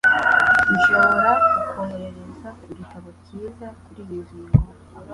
Nshobora kukwohereza ku gitabo cyiza kuriyi ngingo.